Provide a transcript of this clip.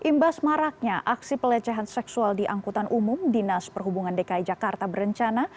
imbas maraknya aksi pelecehan seksual di angkutan umum dinas perhubungan dki jakarta berencana